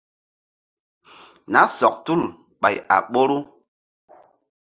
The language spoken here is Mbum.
Nah sɔk tul ɓay a ɓoru.